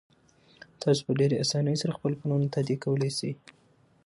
تاسو په ډیرې اسانۍ سره خپل پورونه تادیه کولی شئ.